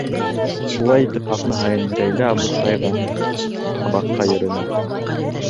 Шулай итеп, аҙна һайын Рәйлә абыстайға һабаҡҡа йөрөнөм.